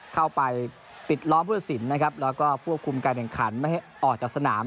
เข้าไปปิดล้อมผู้ตัดสินนะครับแล้วก็ควบคุมการแข่งขันไม่ให้ออกจากสนาม